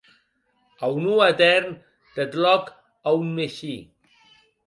Aunor etèrn deth lòc a on neishí!